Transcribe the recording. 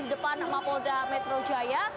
di depan mapolda metro jaya